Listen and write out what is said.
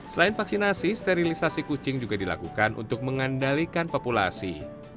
selain vaksinasi sterilisasi kucing juga dilakukan untuk mengandalkan populasi